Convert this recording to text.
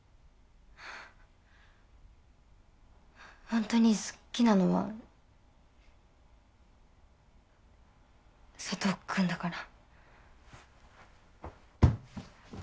ほんとに好きなのは佐藤君だから。